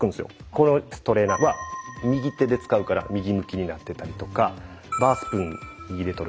このストレーナーは右手で使うから右向きになってたりとかバースプーン右で取るからそうなってる。